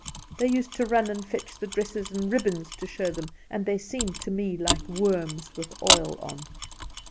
They used to run and fetch the dresses and ribbons to show them, and they seemed to me like worms with oil on.